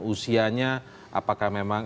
usianya apakah memang